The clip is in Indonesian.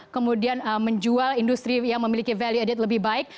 kemudian menjual industri yang memiliki value added lebih baik